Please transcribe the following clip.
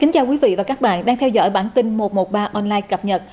chào mừng quý vị đến với bản tin một trăm một mươi ba online cập nhật